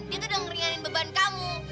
dia tuh udah ngerianin beban kamu